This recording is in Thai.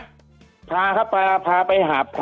คุณติเล่าเรื่องนี้ให้ฮะ